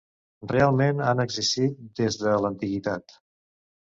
Realment, han existit des de l'antiguitat.